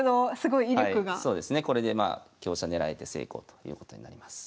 はいそうですね。これでまあ香車狙えて成功ということになります。